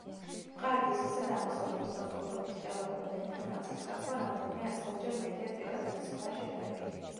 მყარ დისკზე დამახსოვრების მოწყობილობის ტევადობა და ინფორმაციის გაცვლა რამდენიმე ასეულჯერ მეტია დრეკად დისკთან შედარებით.